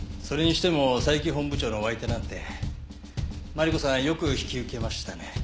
それにしても佐伯本部長のお相手なんてマリコさんよく引き受けましたね。